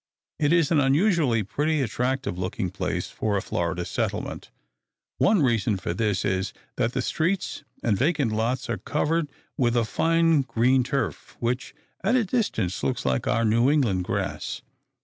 It is an unusually pretty, attractive looking place for a Florida settlement. One reason for this is, that the streets and vacant lots are covered with a fine green turf, which, at a distance, looks like our New England grass.